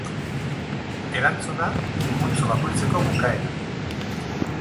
Erantzuna multzo bakoitzeko bukaeran.